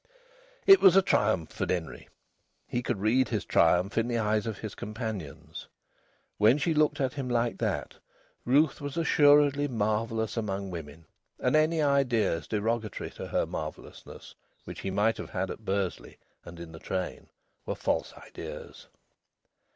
It was a triumph for Denry. He could read his triumph in the eyes of his companions. When she looked at him like that, Ruth was assuredly marvellous among women, and any ideas derogatory to her marvellousness which he might have had at Bursley and in the train were false ideas.